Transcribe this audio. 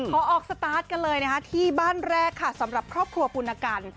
ออกสตาร์ทกันเลยนะคะที่บ้านแรกค่ะสำหรับครอบครัวปุณกัน